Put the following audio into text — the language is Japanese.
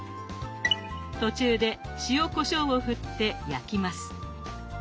途中で塩・こしょうを振って焼きます。